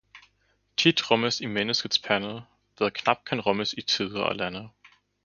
Tidt rummes i menneskets pande, hvad knap kan rummes i tider og lande